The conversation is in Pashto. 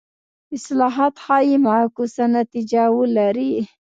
اصلاحات ښايي معکوسه نتیجه ولري.